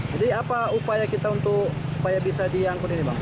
jadi apa upaya kita untuk supaya bisa diangkut ini bang